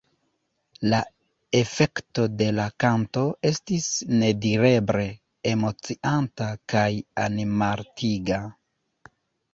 La efekto de la kanto estis nedireble emocianta kaj animaltiga.